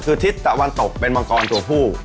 คือทิศตะวันตกเป็นมังกรตัวผู้